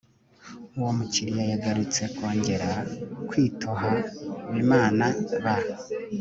uwo mukiriya yagarutse kongera kwitohabimanaba